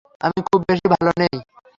আমি খুব বেশি ভালো নেই।